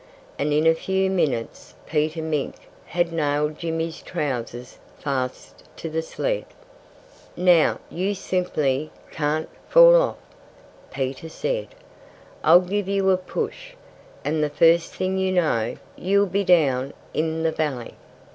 And in a few minutes Peter Mink had nailed Jimmy's trousers fast to the sled. "Now you simply can't fall off," Peter said. "I'll give you a push; and the first thing you know, you'll be down in the valley."